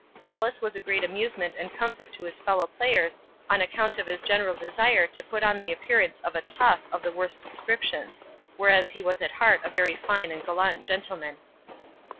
Wallace was a great amusement and comfort to his fellow players on account of his general desire to put on the appearance of a 'tough' of the worst description; whereas he was at heart a very fine and gallant gentleman.